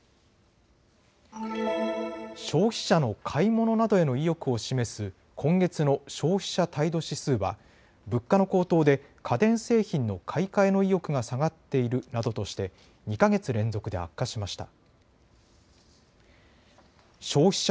消費者の買い物などへの意欲を示す今月の消費者態度指数は物価の高騰で家電製品の買い替えの意欲が下がっているなどとして２か月連続で悪化しました。